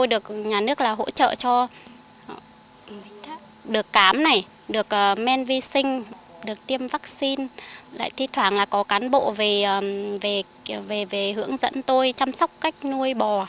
được cám này được men vi sinh được tiêm vaccine lại thi thoảng là có cán bộ về hướng dẫn tôi chăm sóc cách nuôi bò